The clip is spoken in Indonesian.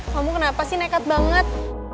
kamu kenapa sih nekat banget